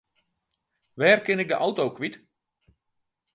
Wêr kin ik de auto kwyt?